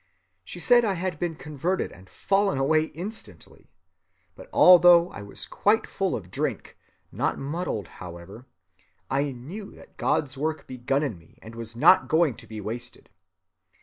She said I had been converted and fallen away instantly. But although I was quite full of drink (not muddled, however), I knew that God's work begun in me was not going to be wasted.